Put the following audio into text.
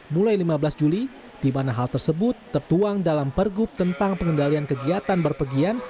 mulai lima belas juli di mana hal tersebut tertuang dalam pergub tentang pengendalian kegiatan berpergian